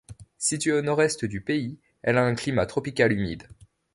Situé au nord-est du pays, elle a un climat tropical humide.